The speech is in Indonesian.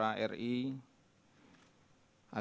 asisten deputi bidang pengembangan pemuda kementpura ri